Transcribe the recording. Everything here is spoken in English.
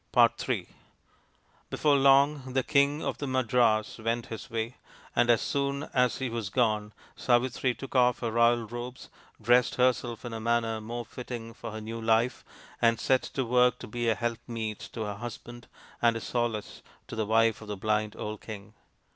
in Before long the King of the Madras went his way ; and as soon as he was gone Savitri took off her royal robes, dressed herself in a manner more fitting for her new life, and set to work to be a helpmeet to her husband and a solace to the wife of the blind old king.